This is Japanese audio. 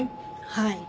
はい。